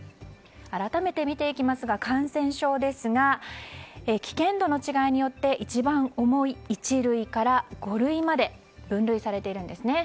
改めて見ていきますが感染症ですが危険度の違いによって一番重い一類から五類まで分類されているんですね。